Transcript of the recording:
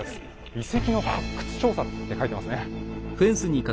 「遺跡の発掘調査」って書いてますね。